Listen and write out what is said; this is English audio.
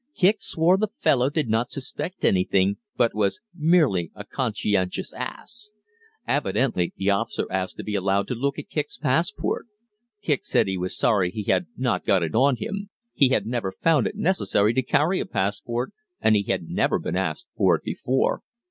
Kicq swore the fellow did not suspect anything, but was merely a conscientious ass. Evidently the officer asked to be allowed to look at Kicq's passport. Kicq said he was sorry he had not got it on him; he had never found it necessary to carry a passport, and he had never been asked for it before.